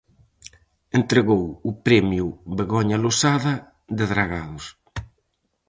Entregou o premio Begoña Losada, de Dragados.